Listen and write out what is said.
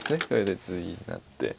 これでツギになって。